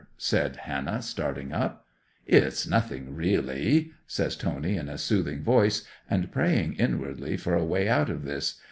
said Hannah, starting up. '"It's nothing, really," says Tony in a soothing voice, and praying inwardly for a way out of this.